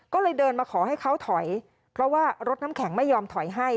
ก็เลยเดินมาขอให้เขาถอยเพราะว่ารถน้ำแข็งไม่ยอมถอยให้